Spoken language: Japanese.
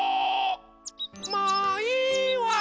・もういいわ。